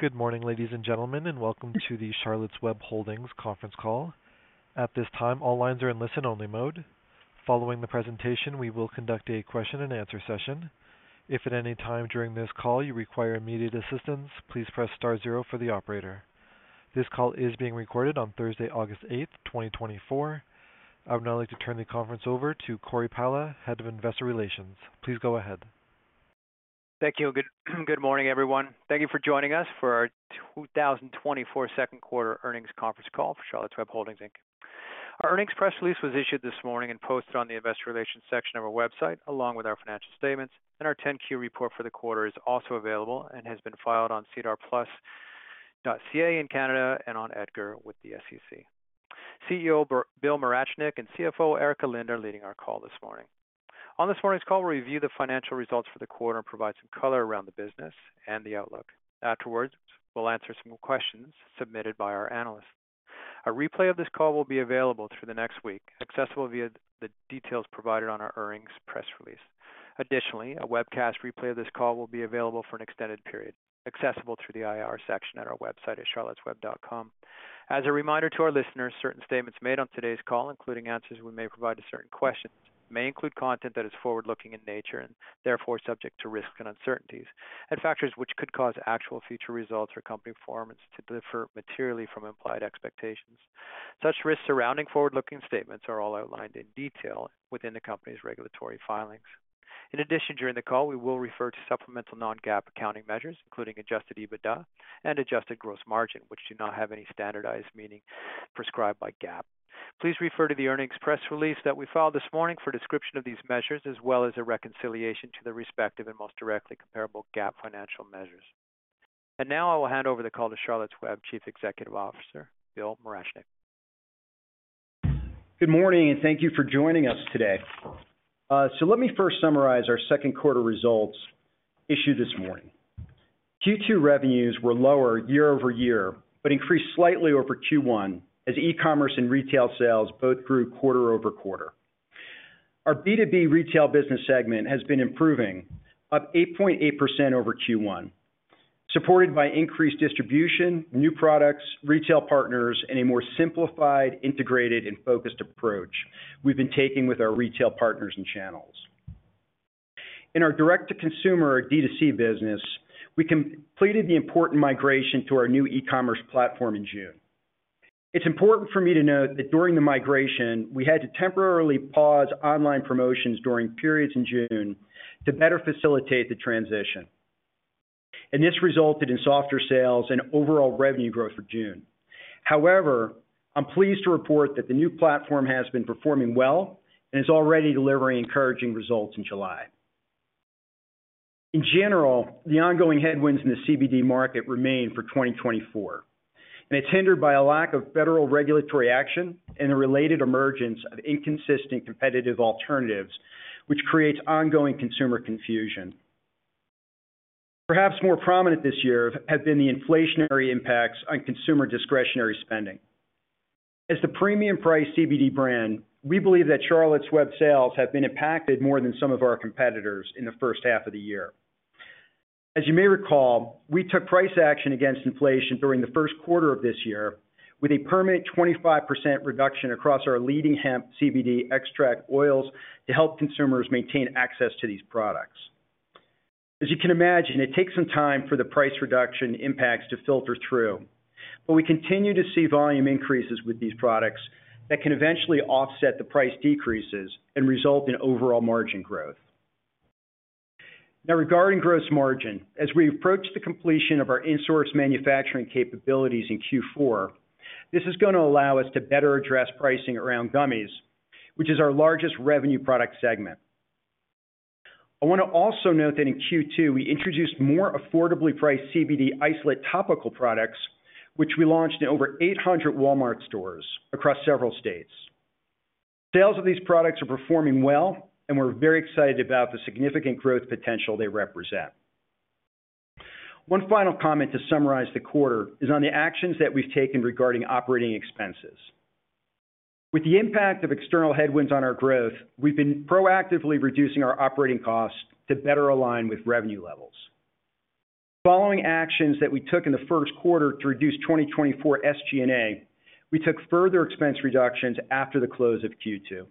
Good morning, ladies and gentlemen, and welcome to the Charlotte's Web Holdings conference call. At this time, all lines are in listen-only mode. Following the presentation, we will conduct a question and answer session. If at any time during this call you require immediate assistance, please press star zero for the operator. This call is being recorded on Thursday, August 8, 2024. I would now like to turn the conference over to Cory Pala, Head of Investor Relations. Please go ahead. Thank you. Good, good morning, everyone. Thank you for joining us for our 2024 second quarter earnings conference call for Charlotte's Web Holdings, Inc. Our earnings press release was issued this morning and posted on the investor relations section of our website, along with our financial statements, and our 10-Q report for the quarter is also available and has been filed on sedarplus.ca in Canada and on EDGAR with the SEC. CEO Bill Morachnick and CFO Erika Lind are leading our call this morning. On this morning's call, we'll review the financial results for the quarter and provide some color around the business and the outlook. Afterwards, we'll answer some questions submitted by our analysts. A replay of this call will be available through the next week, accessible via the details provided on our earnings press release. Additionally, a webcast replay of this call will be available for an extended period, accessible through the IR section at our website at charlottesweb.com. As a reminder to our listeners, certain statements made on today's call, including answers we may provide to certain questions, may include content that is forward-looking in nature and therefore subject to risks and uncertainties, and factors which could cause actual future results or company performance to differ materially from implied expectations. Such risks surrounding forward-looking statements are all outlined in detail within the company's regulatory filings. In addition, during the call, we will refer to supplemental non-GAAP accounting measures, including Adjusted EBITDA and Adjusted Gross Margin, which do not have any standardized meaning prescribed by GAAP. Please refer to the earnings press release that we filed this morning for a description of these measures, as well as a reconciliation to the respective and most directly comparable GAAP financial measures. Now I will hand over the call to Charlotte's Web Chief Executive Officer, Bill Morachnick. Good morning, and thank you for joining us today. So let me first summarize our second quarter results issued this morning. Q2 revenues were lower year-over-year, but increased slightly over Q1 as e-commerce and retail sales both grew quarter-over-quarter. Our B2B retail business segment has been improving, up 8.8% over Q1, supported by increased distribution, new products, retail partners, and a more simplified, integrated, and focused approach we've been taking with our retail partners and channels. In our direct-to-consumer, D2C business, we completed the important migration to our new e-commerce platform in June. It's important for me to note that during the migration, we had to temporarily pause online promotions during periods in June to better facilitate the transition, and this resulted in softer sales and overall revenue growth for June. However, I'm pleased to report that the new platform has been performing well and is already delivering encouraging results in July. In general, the ongoing headwinds in the CBD market remain for 2024, and it's hindered by a lack of federal regulatory action and a related emergence of inconsistent competitive alternatives, which creates ongoing consumer confusion. Perhaps more prominent this year have been the inflationary impacts on consumer discretionary spending. As the premium price CBD brand, we believe that Charlotte's Web sales have been impacted more than some of our competitors in the first half of the year. As you may recall, we took price action against inflation during the first quarter of this year with a permanent 25% reduction across our leading hemp CBD extract oils to help consumers maintain access to these products. As you can imagine, it takes some time for the price reduction impacts to filter through, but we continue to see volume increases with these products that can eventually offset the price decreases and result in overall margin growth. Now, regarding gross margin, as we approach the completion of our in-source manufacturing capabilities in Q4, this is gonna allow us to better address pricing around gummies, which is our largest revenue product segment. I want to also note that in Q2, we introduced more affordably priced CBD isolate topical products, which we launched in over 800 Walmart stores across several states. Sales of these products are performing well, and we're very excited about the significant growth potential they represent. One final comment to summarize the quarter is on the actions that we've taken regarding operating expenses. With the impact of external headwinds on our growth, we've been proactively reducing our operating costs to better align with revenue levels. Following actions that we took in the first quarter to reduce 2024 SG&A, we took further expense reductions after the close of Q2.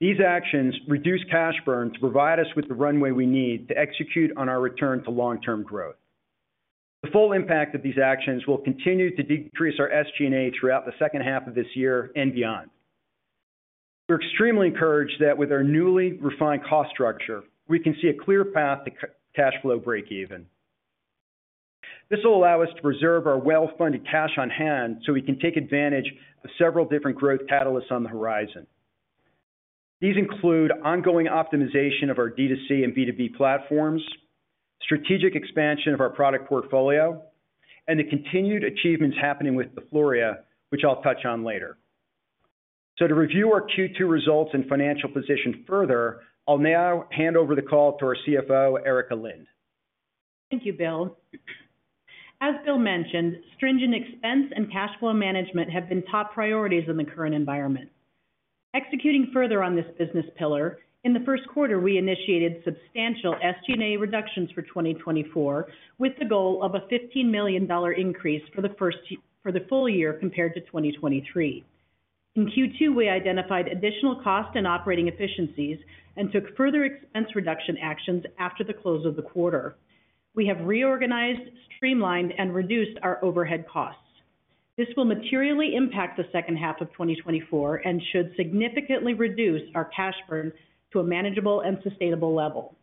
These actions reduced cash burn to provide us with the runway we need to execute on our return to long-term growth. The full impact of these actions will continue to decrease our SG&A throughout the second half of this year and beyond. We're extremely encouraged that with our newly refined cost structure, we can see a clear path to cash flow breakeven. This will allow us to preserve our well-funded cash on hand, so we can take advantage of several different growth catalysts on the horizon. These include ongoing optimization of our D2C and B2B platforms, strategic expansion of our product portfolio, and the continued achievements happening with the DeFloria, which I'll touch on later. So to review our Q2 results and financial position further, I'll now hand over the call to our CFO, Erika Lind. Thank you, Bill. As Bill mentioned, stringent expense and cash flow management have been top priorities in the current environment. Executing further on this business pillar, in the first quarter, we initiated substantial SG&A reductions for 2024, with the goal of a $15 million increase for the full year compared to 2023. In Q2, we identified additional cost and operating efficiencies and took further expense reduction actions after the close of the quarter. We have reorganized, streamlined and reduced our overhead costs. This will materially impact the second half of 2024 and should significantly reduce our cash burn to a manageable and sustainable level.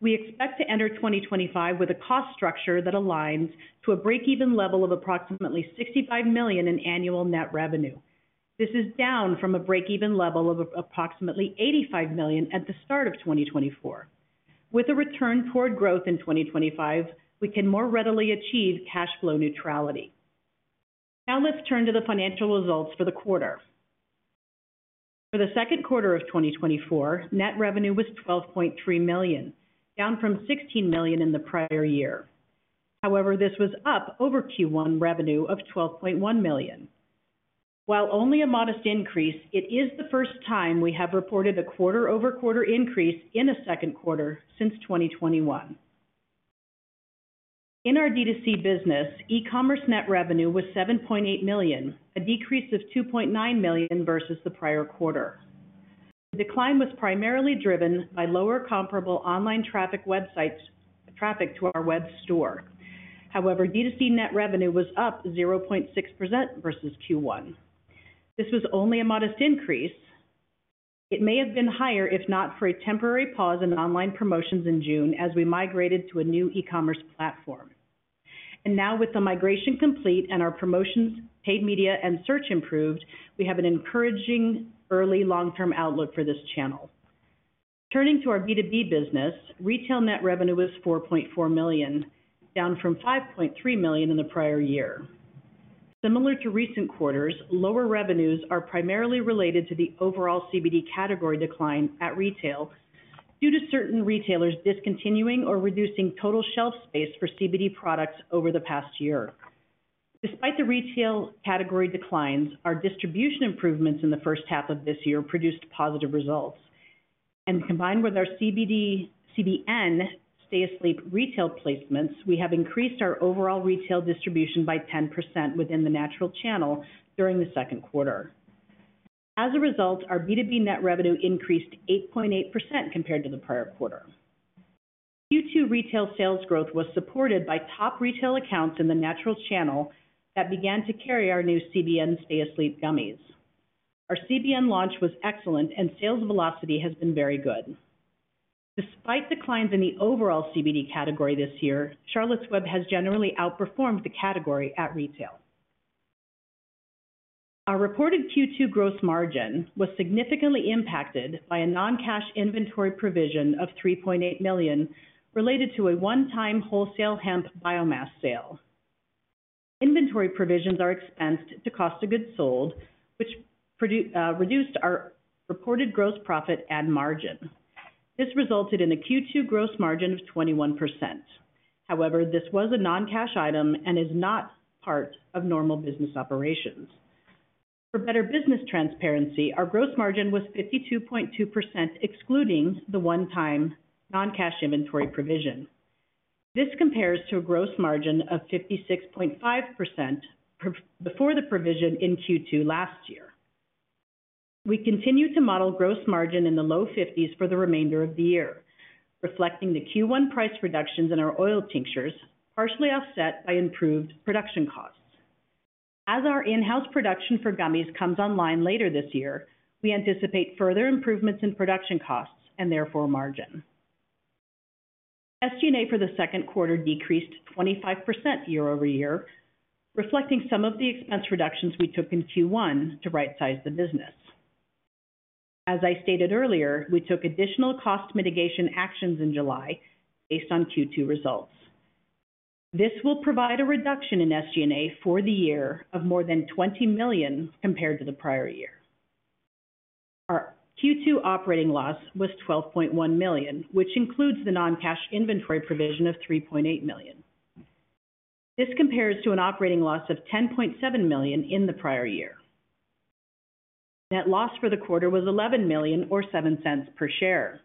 We expect to enter 2025 with a cost structure that aligns to a break-even level of approximately $65 million in annual net revenue. This is down from a break-even level of approximately $85 million at the start of 2024. With a return toward growth in 2025, we can more readily achieve cash flow neutrality. Now let's turn to the financial results for the quarter. For the second quarter of 2024, net revenue was $12.3 million, down from $16 million in the prior year. However, this was up over Q1 revenue of $12.1 million. While only a modest increase, it is the first time we have reported a quarter-over-quarter increase in a second quarter since 2021. In our D2C business, e-commerce net revenue was $7.8 million, a decrease of $2.9 million versus the prior quarter. The decline was primarily driven by lower comparable online traffic websites, traffic to our web store. However, D2C net revenue was up 0.6% versus Q1. This was only a modest increase. It may have been higher, if not for a temporary pause in online promotions in June as we migrated to a new e-commerce platform. Now with the migration complete and our promotions, paid media, and search improved, we have an encouraging early long-term outlook for this channel. Turning to our B2B business, retail net revenue was $4.4 million, down from $5.3 million in the prior year. Similar to recent quarters, lower revenues are primarily related to the overall CBD category decline at retail, due to certain retailers discontinuing or reducing total shelf space for CBD products over the past year. Despite the retail category declines, our distribution improvements in the first half of this year produced positive results, and combined with our CBD-CBN Stay Asleep retail placements, we have increased our overall retail distribution by 10% within the natural channel during the second quarter. As a result, our B2B net revenue increased 8.8% compared to the prior quarter. Q2 retail sales growth was supported by top retail accounts in the natural channel that began to carry our new CBN Stay Asleep gummies. Our CBN launch was excellent and sales velocity has been very good. Despite declines in the overall CBD category this year, Charlotte's Web has generally outperformed the category at retail. Our reported Q2 gross margin was significantly impacted by a non-cash inventory provision of $3.8 million, related to a one-time wholesale hemp biomass sale. Inventory provisions are expensed to cost of goods sold, which reduced our reported gross profit and margin. This resulted in a Q2 gross margin of 21%. However, this was a non-cash item and is not part of normal business operations. For better business transparency, our gross margin was 52.2%, excluding the one-time non-cash inventory provision. This compares to a gross margin of 56.5% before the provision in Q2 last year. We continue to model gross margin in the low fifties for the remainder of the year, reflecting the Q1 price reductions in our oil tinctures, partially offset by improved production costs. As our in-house production for gummies comes online later this year, we anticipate further improvements in production costs and therefore margin. SG&A for the second quarter decreased 25% year-over-year, reflecting some of the expense reductions we took in Q1 to rightsize the business. As I stated earlier, we took additional cost mitigation actions in July based on Q2 results. This will provide a reduction in SG&A for the year of more than $20 million compared to the prior year. Our Q2 operating loss was $12.1 million, which includes the non-cash inventory provision of $3.8 million. This compares to an operating loss of $10.7 million in the prior year. Net loss for the quarter was $11 million or $0.07 per share.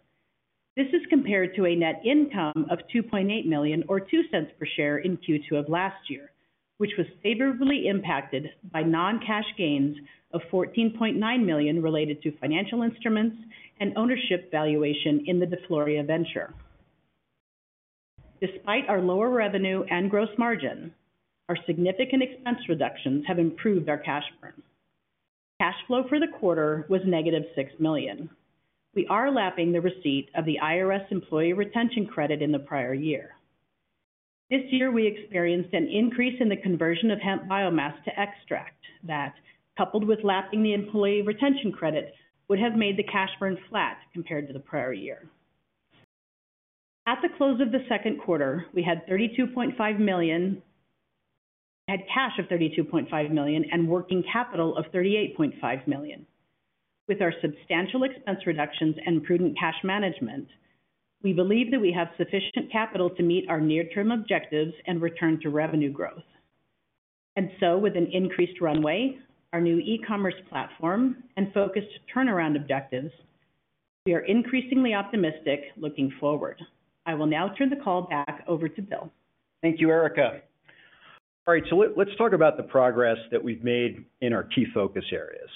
This is compared to a net income of $2.8 million or $0.02 per share in Q2 of last year, which was favorably impacted by non-cash gains of $14.9 million related to financial instruments and ownership valuation in the DeFloria venture. Despite our lower revenue and gross margin, our significant expense reductions have improved our cash burn. Cash flow for the quarter was -$6 million. We are lapping the receipt of the IRS Employee Retention Credit in the prior year. This year, we experienced an increase in the conversion of hemp biomass to extract that, coupled with lapping the Employee Retention Credit, would have made the cash burn flat compared to the prior year. At the close of the second quarter, we had cash of $32.5 million and working capital of $38.5 million. With our substantial expense reductions and prudent cash management, we believe that we have sufficient capital to meet our near-term objectives and return to revenue growth. And so with an increased runway, our new e-commerce platform, and focused turnaround objectives, we are increasingly optimistic looking forward. I will now turn the call back over to Bill. Thank you, Erika. All right, so let's talk about the progress that we've made in our key focus areas.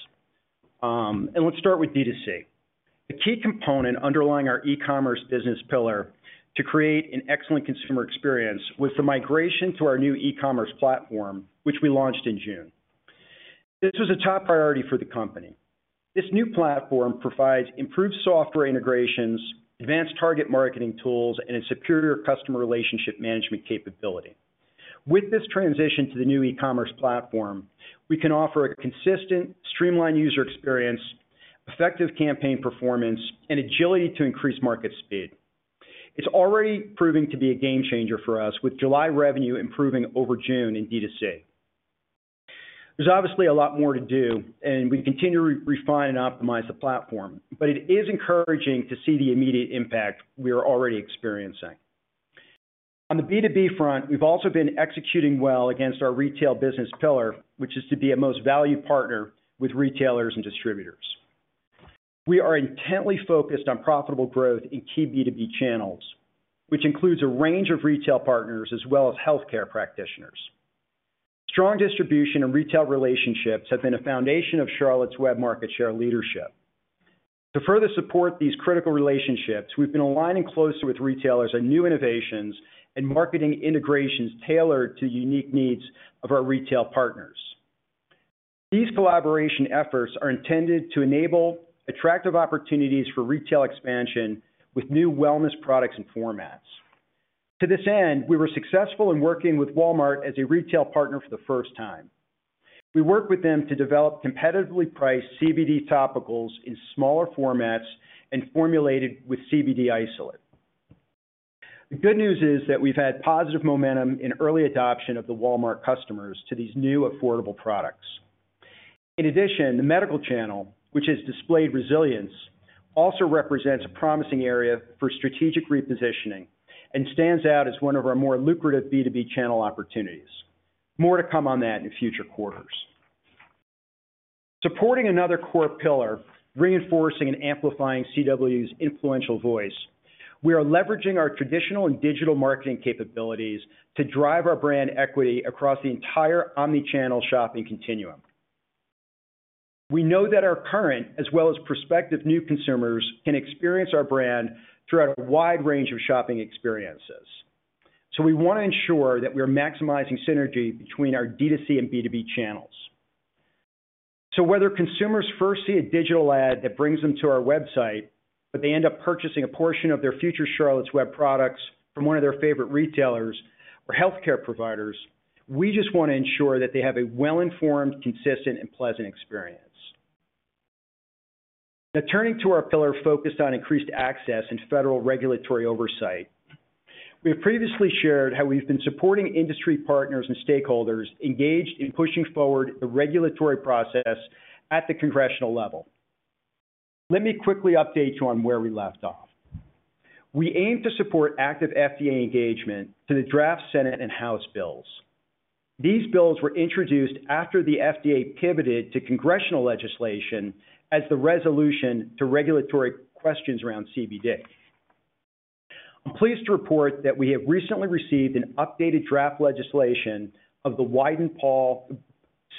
And let's start with D2C. The key component underlying our e-commerce business pillar to create an excellent consumer experience was the migration to our new e-commerce platform, which we launched in June. This was a top priority for the company. This new platform provides improved software integrations, advanced target marketing tools, and a superior customer relationship management capability. With this transition to the new e-commerce platform, we can offer a consistent, streamlined user experience, effective campaign performance, and agility to increase market speed. It's already proving to be a game changer for us, with July revenue improving over June in D2C. There's obviously a lot more to do, and we continue to refine and optimize the platform, but it is encouraging to see the immediate impact we are already experiencing. On the B2B front, we've also been executing well against our retail business pillar, which is to be a most valued partner with retailers and distributors. We are intently focused on profitable growth in key B2B channels, which includes a range of retail partners as well as healthcare practitioners. Strong distribution and retail relationships have been a foundation of Charlotte's Web market share leadership. To further support these critical relationships, we've been aligning closely with retailers on new innovations and marketing integrations tailored to the unique needs of our retail partners. These collaboration efforts are intended to enable attractive opportunities for retail expansion with new wellness products and formats. To this end, we were successful in working with Walmart as a retail partner for the first time. We worked with them to develop competitively priced CBD topicals in smaller formats and formulated with CBD isolate. The good news is that we've had positive momentum in early adoption of the Walmart customers to these new, affordable products. In addition, the medical channel, which has displayed resilience, also represents a promising area for strategic repositioning and stands out as one of our more lucrative B2B channel opportunities. More to come on that in future quarters. Supporting another core pillar, reinforcing and amplifying CW's influential voice, we are leveraging our traditional and digital marketing capabilities to drive our brand equity across the entire omni-channel shopping continuum. We know that our current, as well as prospective new consumers, can experience our brand throughout a wide range of shopping experiences. So we want to ensure that we're maximizing synergy between our D2C and B2B channels. So whether consumers first see a digital ad that brings them to our website, but they end up purchasing a portion of their future Charlotte's Web products from one of their favorite retailers or healthcare providers, we just want to ensure that they have a well-informed, consistent, and pleasant experience. Now, turning to our pillar focused on increased access and federal regulatory oversight. We have previously shared how we've been supporting industry partners and stakeholders engaged in pushing forward the regulatory process at the congressional level. Let me quickly update you on where we left off. We aim to support active FDA engagement to the draft Senate and House bills. These bills were introduced after the FDA pivoted to congressional legislation as the resolution to regulatory questions around CBD. I'm pleased to report that we have recently received an updated draft legislation of the Wyden-Paul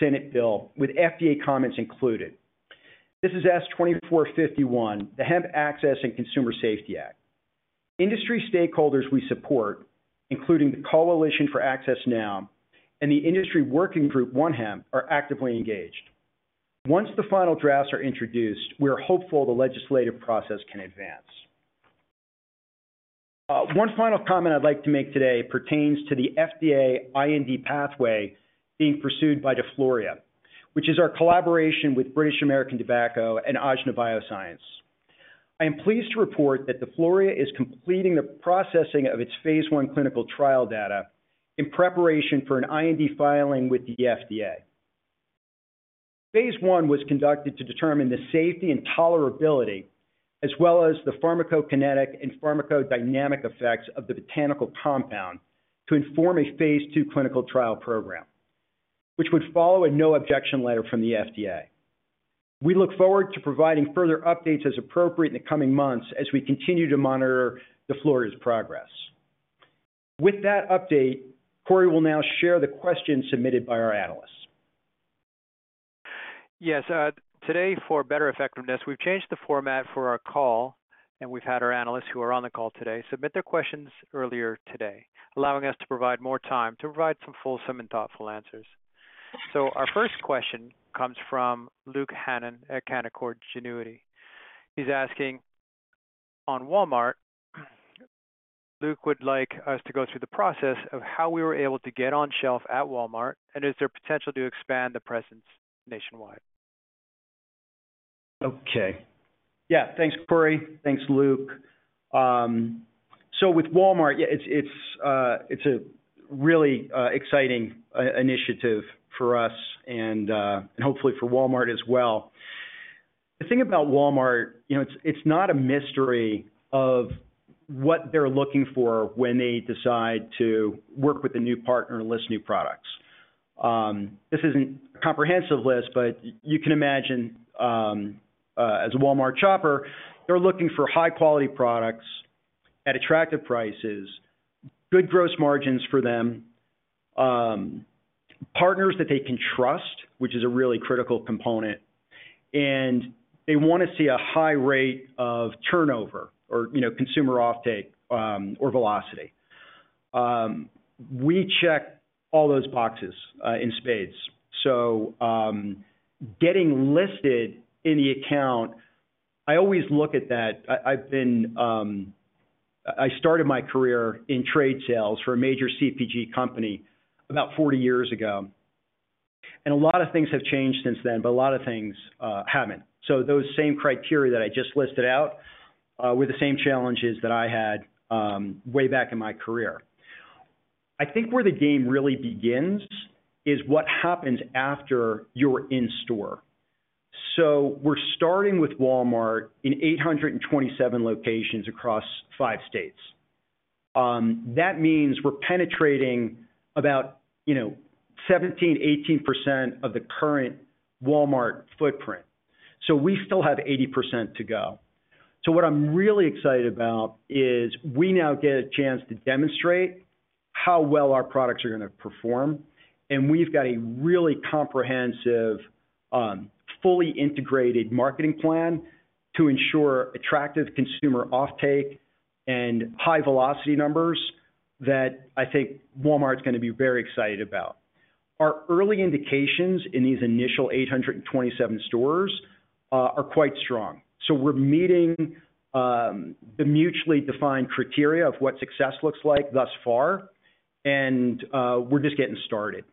Senate bill, with FDA comments included. This is S.2451, the Hemp Access and Consumer Safety Act. Industry stakeholders we support, including the Coalition for Access Now and the Industry Working Group, One Hemp, are actively engaged. Once the final drafts are introduced, we are hopeful the legislative process can advance. One final comment I'd like to make today pertains to the FDA IND pathway being pursued by DeFloria, which is our collaboration with British American Tobacco and Ajna BioSciences. I am pleased to report that DeFloria is completing the processing of its Phase I clinical trial data in preparation for an IND filing with the FDA. Phase I was conducted to determine the safety and tolerability, as well as the pharmacokinetic and pharmacodynamic effects of the botanical compound to inform a Phase II clinical trial program, which would follow a no objection letter from the FDA. We look forward to providing further updates as appropriate in the coming months as we continue to monitor DeFloria's progress. With that update, Cory will now share the questions submitted by our analysts. Yes, today, for better effectiveness, we've changed the format for our call, and we've had our analysts who are on the call today submit their questions earlier today, allowing us to provide more time to provide some fulsome and thoughtful answers. So our first question comes from Luke Hannan at Canaccord Genuity. He's asking, on Walmart, Luke would like us to go through the process of how we were able to get on shelf at Walmart, and is there potential to expand the presence nationwide? Okay. Yeah, thanks, Cory. Thanks, Luke. So with Walmart, yeah, it's a really exciting initiative for us and hopefully for Walmart as well. The thing about Walmart, you know, it's not a mystery of what they're looking for when they decide to work with a new partner and list new products. This isn't a comprehensive list, but you can imagine, as a Walmart shopper, they're looking for high-quality products at attractive prices, good gross margins for them, partners that they can trust, which is a really critical component, and they want to see a high rate of turnover or, you know, consumer offtake, or velocity. We check all those boxes in spades. So, getting listed in the account, I always look at that—I, I've been. I started my career in trade sales for a major CPG company about 40 years ago, and a lot of things have changed since then, but a lot of things haven't. So those same criteria that I just listed out were the same challenges that I had way back in my career. I think where the game really begins is what happens after you're in store. So we're starting with Walmart in 827 locations across 5 states. That means we're penetrating about, you know, 17%-18% of the current Walmart footprint, so we still have 80% to go. So, what I'm really excited about is we now get a chance to demonstrate how well our products are gonna perform, and we've got a really comprehensive, fully integrated marketing plan to ensure attractive consumer offtake and high velocity numbers that I think Walmart's gonna be very excited about. Our early indications in these initial 827 stores are quite strong. So we're meeting the mutually defined criteria of what success looks like thus far, and we're just getting started.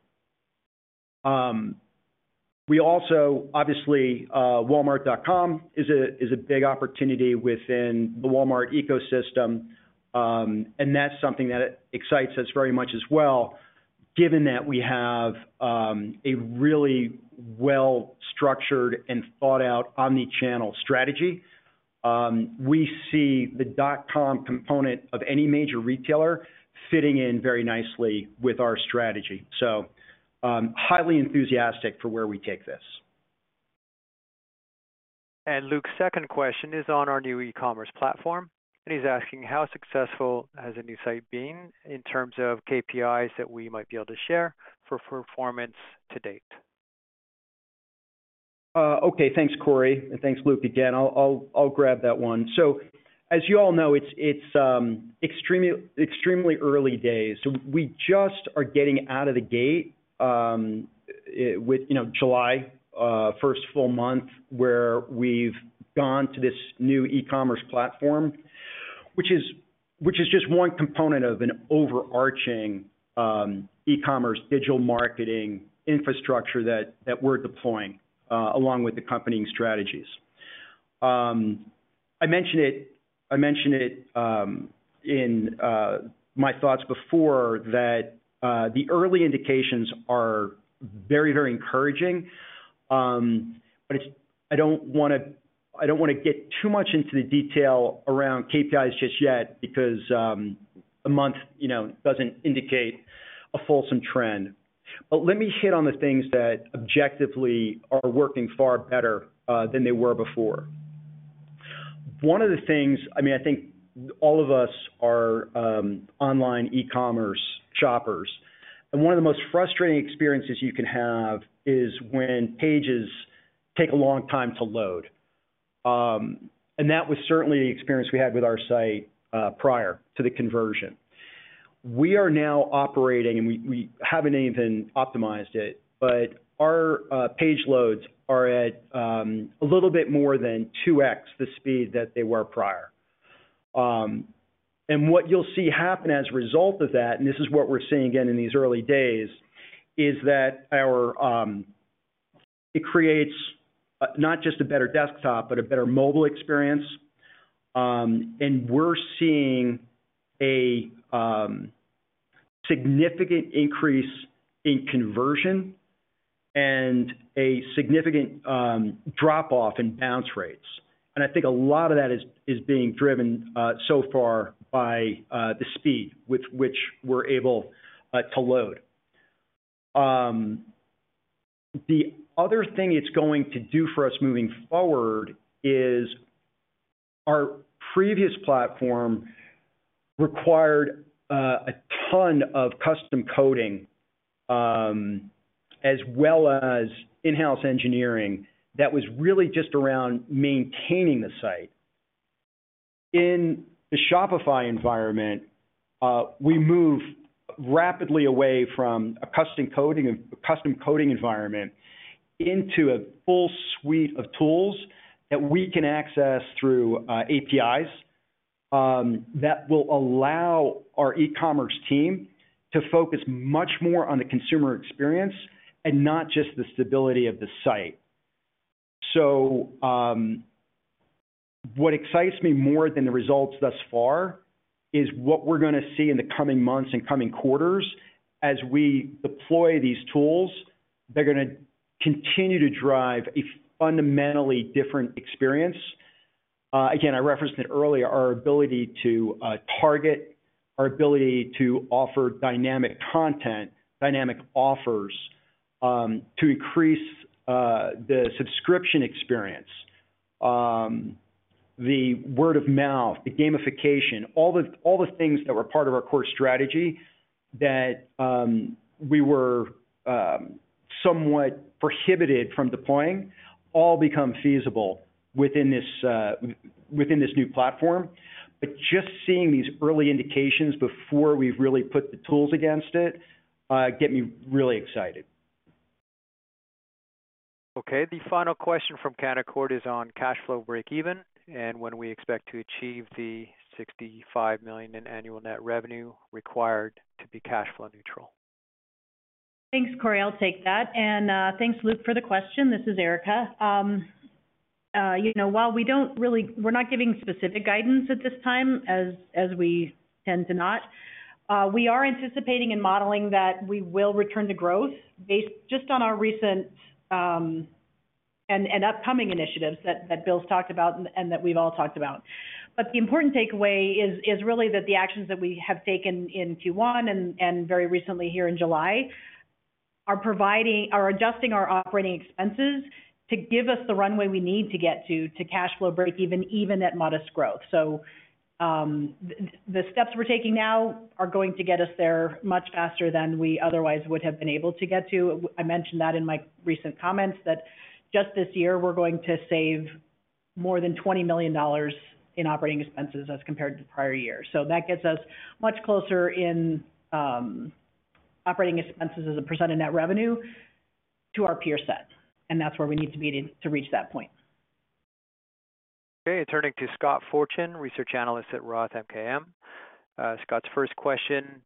We also obviously Walmart.com is a big opportunity within the Walmart ecosystem, and that's something that excites us very much as well. Given that we have a really well-structured and thought-out omni-channel strategy, we see the .com component of any major retailer fitting in very nicely with our strategy. So, highly enthusiastic for where we take this. Luke's second question is on our new e-commerce platform, and he's asking: How successful has the new site been in terms of KPIs that we might be able to share for performance to date? Okay. Thanks, Cory, and thanks, Luke, again. I'll grab that one. So as you all know, it's extremely early days. So we just are getting out of the gate with, you know, July first full month, where we've gone to this new e-commerce platform, which is just one component of an overarching e-commerce digital marketing infrastructure that we're deploying along with accompanying strategies. I mentioned it in my thoughts before, that the early indications are very encouraging. But it's, I don't wanna get too much into the detail around KPIs just yet because a month, you know, doesn't indicate a fulsome trend. But let me hit on the things that objectively are working far better than they were before. One of the things... I mean, I think all of us are online e-commerce shoppers, and one of the most frustrating experiences you can have is when pages take a long time to load. And that was certainly the experience we had with our site prior to the conversion. We are now operating, and we haven't even optimized it, but our page loads are at a little bit more than 2x the speed that they were prior. And what you'll see happen as a result of that, and this is what we're seeing again in these early days, is that it creates not just a better desktop, but a better mobile experience. And we're seeing a significant increase in conversion and a significant drop-off in bounce rates. I think a lot of that is being driven so far by the speed with which we're able to load. The other thing it's going to do for us moving forward is our previous platform required a ton of custom coding as well as in-house engineering that was really just around maintaining the site. In the Shopify environment, we moved rapidly away from a custom coding environment into a full suite of tools that we can access through APIs that will allow our e-commerce team to focus much more on the consumer experience and not just the stability of the site. What excites me more than the results thus far is what we're gonna see in the coming months and coming quarters. As we deploy these tools, they're gonna continue to drive a fundamentally different experience. Again, I referenced it earlier, our ability to target, our ability to offer dynamic content, dynamic offers, to increase the subscription experience, the word of mouth, the gamification, all the, all the things that were part of our core strategy that we were somewhat prohibited from deploying, all become feasible within this new platform. But just seeing these early indications before we've really put the tools against it, get me really excited. Okay, the final question from Canaccord is on cash flow breakeven, and when we expect to achieve the $65 million in annual net revenue required to be cash flow neutral. Thanks, Cory. I'll take that. And, thanks, Luke, for the question. This is Erika. You know, while we don't really, we're not giving specific guidance at this time, as we tend to not, we are anticipating and modeling that we will return to growth based just on our recent and upcoming initiatives that Bill's talked about and that we've all talked about. But the important takeaway is really that the actions that we have taken in Q1 and very recently here in July are providing. Are adjusting our operating expenses to give us the runway we need to get to cash flow breakeven, even at modest growth. So, the steps we're taking now are going to get us there much faster than we otherwise would have been able to get to. I mentioned that in my recent comments, that just this year, we're going to save more than $20 million in operating expenses as compared to prior years. So that gets us much closer in operating expenses as a percent of net revenue to our peer set, and that's where we need to be to reach that point. Okay, turning to Scott Fortune, Research Analyst at Roth MKM. Scott's first question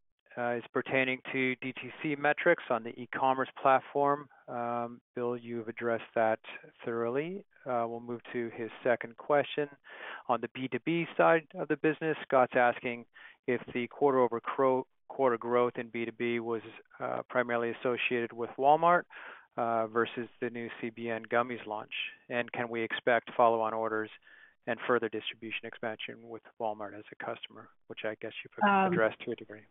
is pertaining to DTC metrics on the e-commerce platform. Bill, you've addressed that thoroughly. We'll move to his second question. On the B2B side of the business, Scott's asking if the quarter-over-quarter growth in B2B was primarily associated with Walmart versus the new CBN Gummies launch, and can we expect follow-on orders and further distribution expansion with Walmart as a customer, which I guess you've addressed to a degree.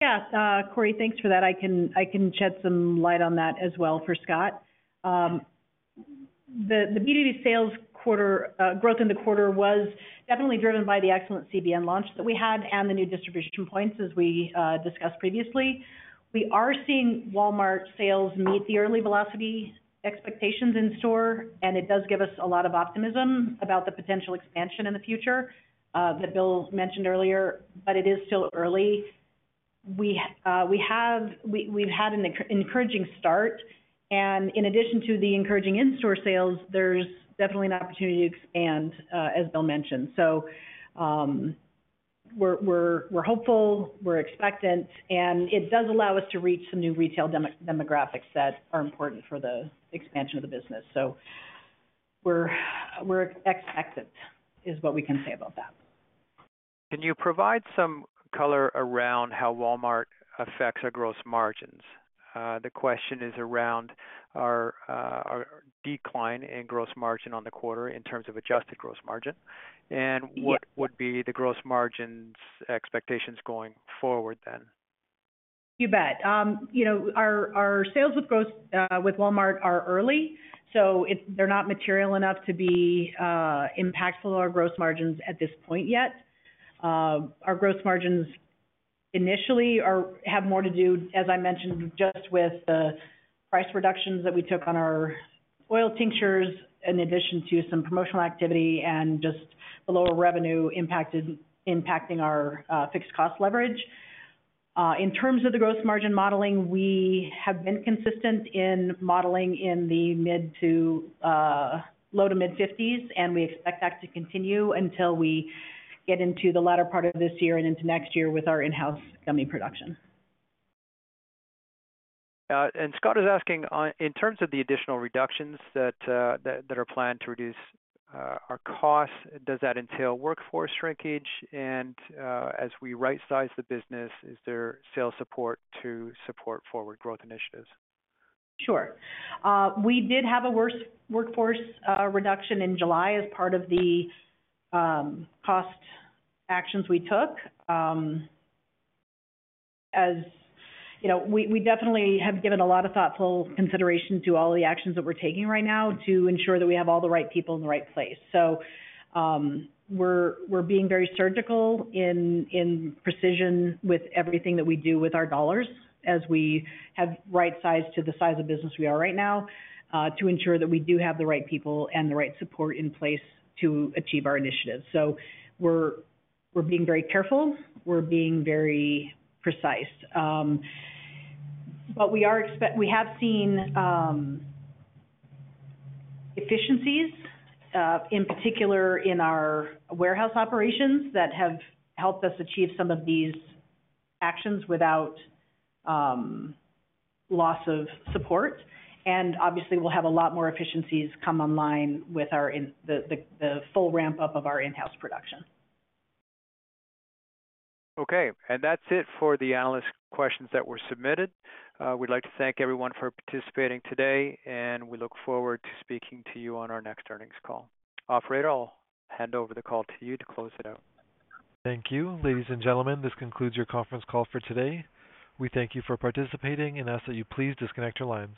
Yeah. Cory, thanks for that. I can shed some light on that as well for Scott. The B2B sales quarter growth in the quarter was definitely driven by the excellent CBN launch that we had and the new distribution points, as we discussed previously. We are seeing Walmart sales meet the early velocity expectations in store, and it does give us a lot of optimism about the potential expansion in the future that Bill mentioned earlier, but it is still early. We've had an encouraging start, and in addition to the encouraging in-store sales, there's definitely an opportunity to expand, as Bill mentioned. So, we're hopeful, we're expectant, and it does allow us to reach some new retail demographics that are important for the expansion of the business. So we're expectant, is what we can say about that. Can you provide some color around how Walmart affects our gross margins? The question is around our, our decline in gross margin on the quarter in terms of adjusted gross margin. Yeah. What would be the gross margins expectations going forward then? You bet. You know, our sales with Walmart are early, so they're not material enough to be impactful to our gross margins at this point yet. Our gross margins initially have more to do, as I mentioned, just with the price reductions that we took on our oil tinctures, in addition to some promotional activity and just the lower revenue impacting our fixed cost leverage. In terms of the gross margin modeling, we have been consistent in modeling in the mid- to low- to mid-fifties, and we expect that to continue until we get into the latter part of this year and into next year with our in-house gummy production. Scott is asking, in terms of the additional reductions that are planned to reduce our costs, does that entail workforce shrinkage? And, as we right-size the business, is there sales support to support forward growth initiatives? Sure. We did have a workforce reduction in July as part of the cost actions we took. As you know, we definitely have given a lot of thoughtful consideration to all the actions that we're taking right now to ensure that we have all the right people in the right place. So, we're being very surgical in precision with everything that we do with our dollars as we have right-sized to the size of business we are right now, to ensure that we do have the right people and the right support in place to achieve our initiatives. So we're being very careful, we're being very precise. But we have seen efficiencies in particular in our warehouse operations that have helped us achieve some of these actions without loss of support. Obviously, we'll have a lot more efficiencies come online with the full ramp-up of our in-house production. Okay, and that's it for the analyst questions that were submitted. We'd like to thank everyone for participating today, and we look forward to speaking to you on our next earnings call. Operator, I'll hand over the call to you to close it out. Thank you, ladies and gentlemen, this concludes your conference call for today. We thank you for participating and ask that you please disconnect your lines.